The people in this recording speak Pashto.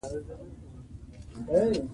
انګریز د عمل په اهمیت ټینګار کوي.